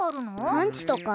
パンチとか？